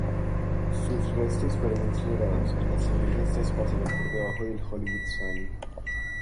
Sus restos fueron incinerados, y las cenizas se esparcieron por debajo del Hollywood Sign.